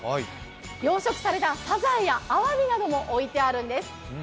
養殖されたサザエやアワビなども置いてあるんです。